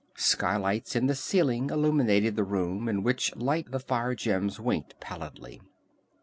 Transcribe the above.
Skylights in the ceiling illuminated the room, in which light the fire gems winked pallidly.